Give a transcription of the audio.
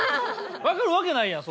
わかるわけないやん！